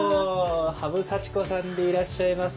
羽生祥子さんでいらっしゃいます。